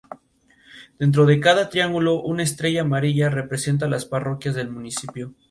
Pocas son las especies silvestres que se reproducen en el lugar.